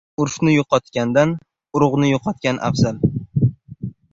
• Urfni yo‘qotgandan urug‘ni yo‘qotgan afzal.